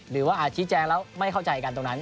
หรือว่าอาจชี้แจงแล้วไม่เข้าใจกันตรงนั้น